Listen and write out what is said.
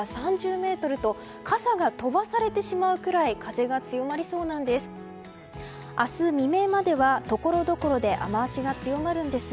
風速は３０メートルと傘が飛ばされてしまうくらい風が強まりそうなんです。